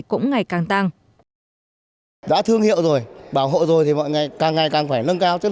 cũng ngày càng tăng đã thương hiệu rồi bảo hộ rồi thì mọi ngày càng ngày càng phải nâng cao chất